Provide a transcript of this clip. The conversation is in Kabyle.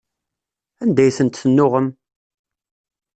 Anda ay tent-tennuɣem?